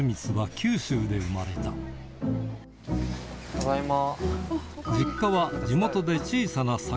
ただいま。